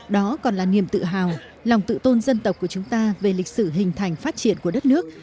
đó còn là niềm tự hào lòng tự tôn dân tộc của chúng ta về lịch sử hình thành phát triển của đất nước